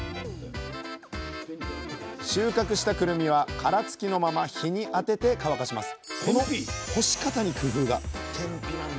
収穫したくるみは殻付きのまま日に当てて乾かします